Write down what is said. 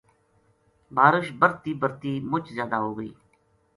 بارش برتی برتی مُچ زیادہ ہو گئی